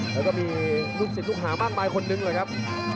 แล้วก็มีลูกศิษย์ลูกหามากมายคนนึงเลยครับ